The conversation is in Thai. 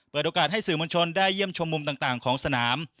โอกาสให้สื่อมวลชนได้เยี่ยมชมมุมต่างของสนาม